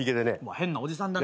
変なおじさんだな。